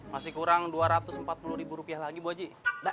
masih kurang dua ratus empat puluh ribu rupiah lagi bu aji